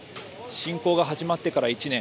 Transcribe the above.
侵攻が始まってから１年。